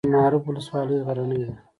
د معروف ولسوالۍ غرنۍ ده